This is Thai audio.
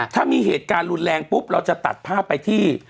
ถ้ามีเหตุการณ์รุนแรงปุ๊บเราจะตัดภาพไปที่